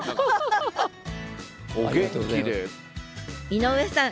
井上さん